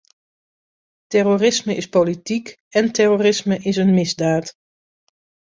Terrorisme is politiek en terrorisme is een misdaad.